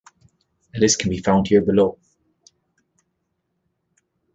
A list can be found here below.